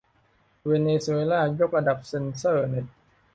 เวเนซุเอลายกระดับเซ็นเซอร์เน็ต